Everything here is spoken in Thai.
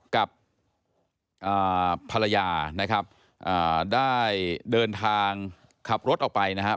กับภรรยานะครับได้เดินทางขับรถออกไปนะครับ